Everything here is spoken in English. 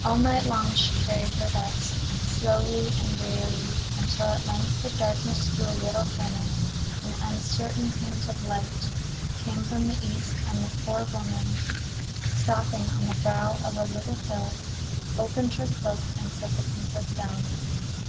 All night long she carried her thus, slowly and wearily, until at length the darkness grew a little thinner, an uncertain hint of light came from the east, and the poor woman, stopping on the brow of a little hill, opened her cloak, and set the princess down.